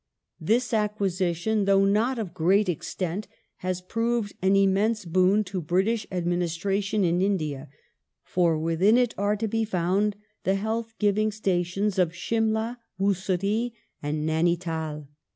^ This acquisition, though not of great extent, has proved an immense boon to British ad ministration in India, for within it are to be found the health giving stations of Simla, Massuri, and Naini tal.